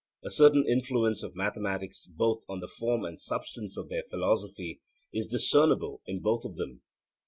A certain influence of mathematics both on the form and substance of their philosophy is discernible in both of them.